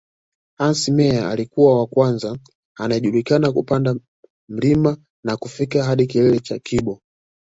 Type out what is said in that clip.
Hans Meyer alikuwa wa kwanza anayejulikana kupanda mlima na kufika hadi kilele cha Kibo